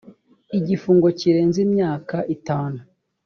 igifungo kirenze imyaka itanu